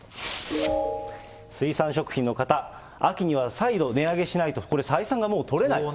水産食品の方、秋には再度値上げしないと、これ、採算がもう取れない。